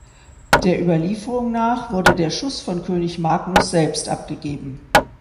Der Überlieferung nach wurde der Schuss von König Magnus selbst abgegeben.